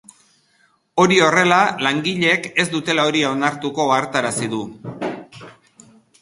Hori horrela, langileek ez dutela hori onartuko ohartarazi du.